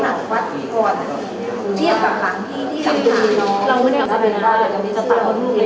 แล้วก็เพื่อที่จะพี่อาณาเขาจะออกอาทิตย์